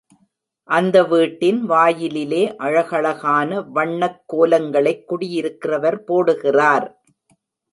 அந்த வீட்டின் வாயிலிலே அழகழகான வண்ணக் கோலங்களைக் குடியிருக்கிறவர் போடுகிறார்.